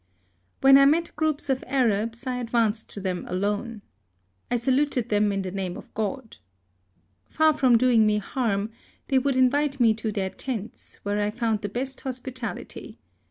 When I met groups of Arabs, I advanced to them alone. I saluted them in the name of God. Far from doing me harm, they would invite me to their tents, where I found the best hospitality.